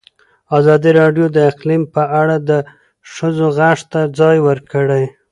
ازادي راډیو د اقلیم په اړه د ښځو غږ ته ځای ورکړی.